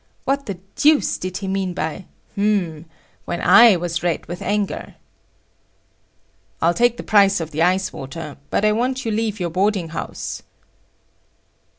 What the deuce did he mean by "H'm" when I was red with anger. "I'll take the price of the ice water, but I want you leave your boarding house."